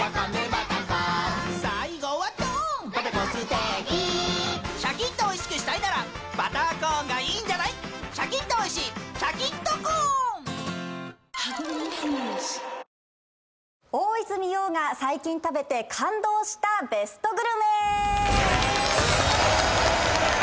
贅沢な香り大泉洋が最近食べて感動したベストグルメ！